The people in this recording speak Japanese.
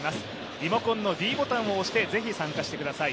リモコンのｄボタンを押してぜひ参加してください。